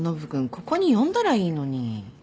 ここに呼んだらいいのに。